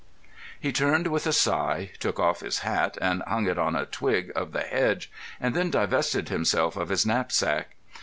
He turned with a sigh, took off his hat and hung it on a twig of the hedge, and then divested himself of his knapsack.